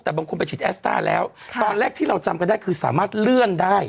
แต่บางคนไปฉีดแอสต้าแล้วตอนแรกที่เราจำกันได้คือสามารถเลื่อนได้